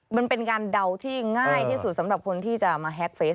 มันเป็นการเดาที่ง่ายที่สุดสำหรับคนที่จะมาแฮ็กเฟส